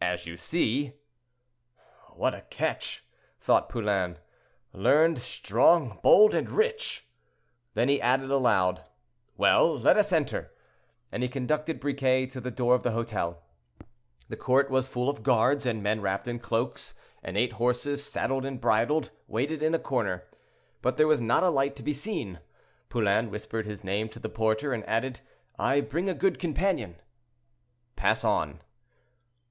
"—"As you see." "What a catch?" thought Poulain, "learned, strong, bold, and rich!" Then he added aloud, "Well! let us enter," and he conducted Briquet to the door of the hotel. The court was full of guards and men wrapped in cloaks, and eight horses, saddled and bridled, waited in a corner; but there was not a light to be seen. Poulain whispered his name to the porter, and added, "I bring a good companion."—"Pass on."